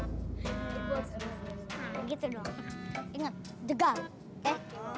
nah begitu doang ingat jagal oke